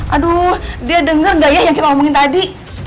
aduh dia denger gak ya yang kita omongin tadi